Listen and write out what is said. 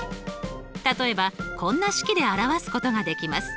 例えばこんな式で表すことができます。